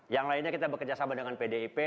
yang lainnya kita bekerja sama dengan pdip